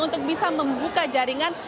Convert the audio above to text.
untuk bisa membuka jaringan